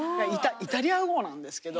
イタリア語なんですけど。